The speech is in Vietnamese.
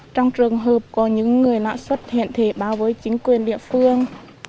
trong trường hợp có những người lã xuất hiện thể báo với chính quyền địa phương